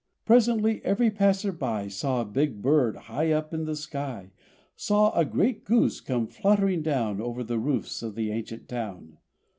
Presently every passer by Saw a big bird high up in the sky, Saw a great goose come fluttering down Over the roofs of the ancient town.